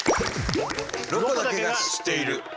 「ロコだけが知っている」。